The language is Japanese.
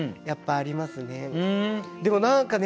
でも何かね